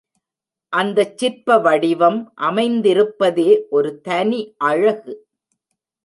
அந்தச் சிற்ப வடிவம் அமைந்திருப்பதே ஒரு தனி அழகு.